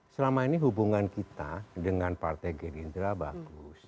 selama ini hubungan kita dengan partai gerindra bagus